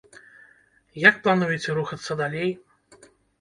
Як плануеце рухацца далей?